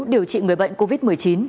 điều trị người bệnh covid một mươi chín